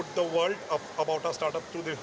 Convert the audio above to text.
dan tentu saja acara ini akan membantu startup kita